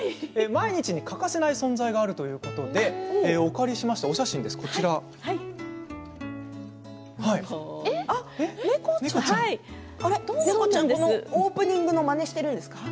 毎日に欠かせない存在があるということでお借りしました猫ちゃんオープニングのまねをしているんですか。